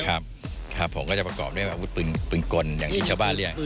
ครับครับผมก็จะประกอบด้วยอาวุธปืนกลอย่างที่ชาวบ้านเรียก